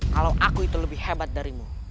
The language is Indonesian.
kalau aku itu lebih hebat darimu